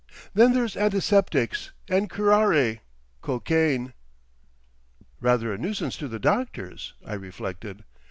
Then there's antiseptics, and curare, cocaine...." "Rather a nuisance to the doctors," I reflected.